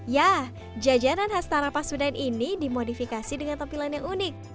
ya jajanan khas tara pasundan ini dimodifikasi dengan tampilan yang unik